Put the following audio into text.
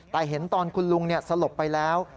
แต่เห็นตอนคุณลุงสลบไปแล้ว